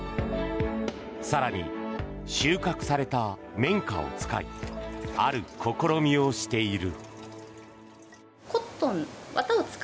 更に、収穫された綿花を使いある試みをしている。